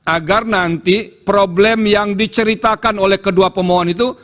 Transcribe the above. agar nanti problem yang diceritakan oleh kedua pemohon itu